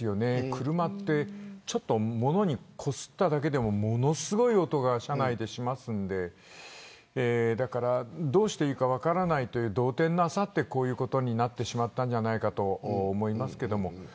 車はちょっと物にこすっただけでもものすごい音が車内でしますのでどうしたらいいか分からないと動転なさってこうなってしまったんじゃないかと思いますけど。